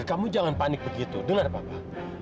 semoga kamila diberi keselamatan